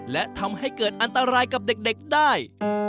และทำให้เกิดอันตรายกับเด็กได้